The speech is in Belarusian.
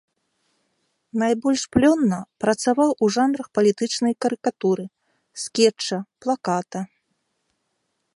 Найбольш плённа працаваў у жанрах палітычнай карыкатуры, скетча, плаката.